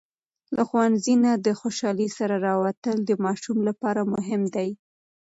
له ښوونځي نه د خوشالۍ سره راووتل د ماشوم لپاره مهم دی.